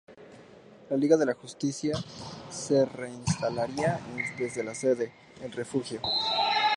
La Liga de la Justicia se trasladaría a su sede original, "el Refugio".